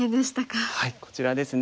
はいこちらですね。